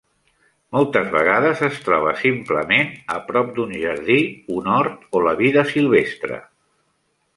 Moltes vegades es troba simplement a prop d"un jardí, un hort o a la vida silvestre.